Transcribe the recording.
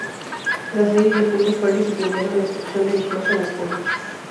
Las leyes de Jules Ferry suprimieron la instrucción religiosa en la escuela.